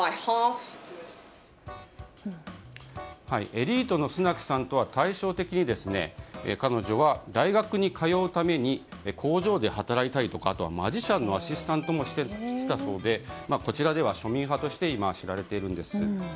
エリートのスナクさんとは対照的に彼女は、大学に通うために工場で働いたりあとはマジシャンのアシスタントもしていたそうでこちらでは庶民派として今は知られているんです。